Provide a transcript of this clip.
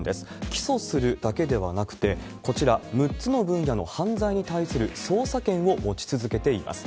起訴するだけではなくて、こちら、６つの分野の犯罪に対する捜査権を持ち続けています。